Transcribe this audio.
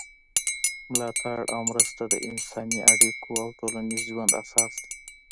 ملاتړ او مرسته د انساني اړیکو او ټولنیز ژوند اساس دی.